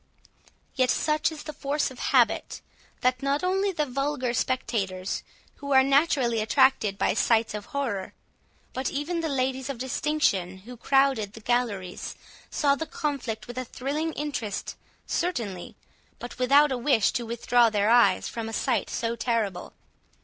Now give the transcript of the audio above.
Yet such is the force of habit, that not only the vulgar spectators, who are naturally attracted by sights of horror, but even the ladies of distinction who crowded the galleries, saw the conflict with a thrilling interest certainly, but without a wish to withdraw their eyes from a sight so terrible.